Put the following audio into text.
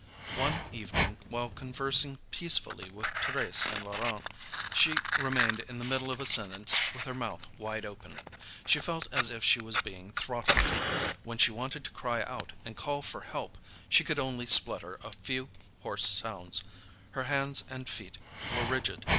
One evening, while conversing peacefully with Thérèse and Laurent, she remained in the middle of a sentence with her mouth wide open: she felt as if she was being throttled. When she wanted to cry out and call for help, she could only splutter a few hoarse sounds. Her hands and feet were rigid.